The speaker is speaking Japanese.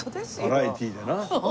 バラエティーでな。